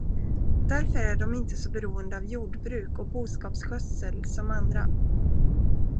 Därför är de inte så beroende av jordbruk och boskapsskötsel som andra.